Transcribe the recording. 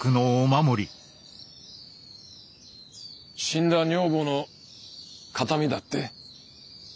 死んだ女房の形見だって？